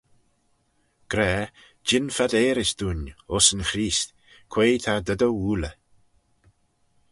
Gra, jean phadeyrys dooin, uss yn Creest, quoi ta dy dty woalley?